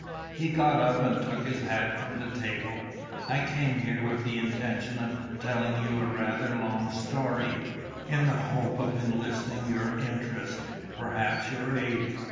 He got up and took his hat from the table. "I came here with the intention of telling you a rather long story, in the hope of enlisting your interest, perhaps your aid.